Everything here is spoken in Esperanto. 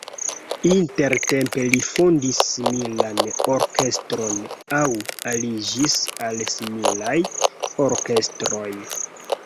Intertempe li fondis similan orkestron aŭ aliĝis al similaj orkestroj.